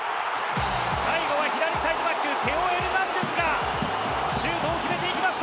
最後は左サイドバックテオ・エルナンデスがシュートを決めていきました。